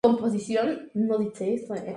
El jabalí fue muerto por Idas.